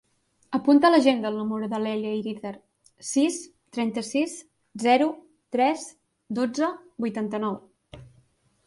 Apunta a l'agenda el número de l'Èlia Irizar: sis, trenta-sis, zero, tres, dotze, vuitanta-nou.